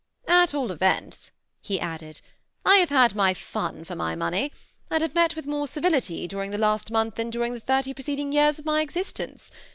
^ At all events," he added, '^ I have had my iiin for my money, and have met with more civility during the last month than during the thirty pre ceding years of my existence.